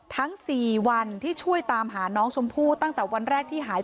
ทั้ง๔วันที่ช่วยตามหาน้องชมพู่ตั้งแต่วันแรกที่หาย